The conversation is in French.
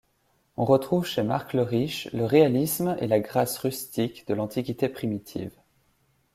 On retrouve chez Marc Leriche le réalisme et la grâce rustique de l'antiquité primitive.